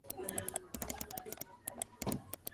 It is owned and operated by the Society of the Divine Word.